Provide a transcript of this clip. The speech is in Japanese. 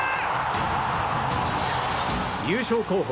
優勝候補